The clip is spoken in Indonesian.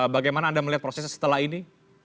bagaimana anda melihat prosesnya setelah ini